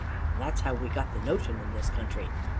And that's how we got the notion in this country.